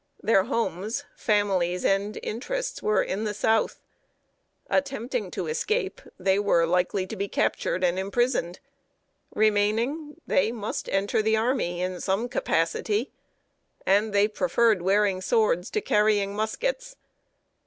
Their homes, families, and interests, were in the South. Attempting to escape, they were likely to be captured and imprisoned. Remaining, they must enter the army in some capacity, and they preferred wearing swords to carrying muskets.